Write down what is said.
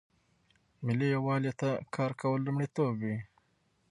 ملي یووالي ته کار کول لومړیتوب وي.